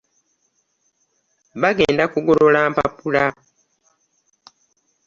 Bagenda kugolola mpapula.